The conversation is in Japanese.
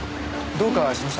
どうかしました？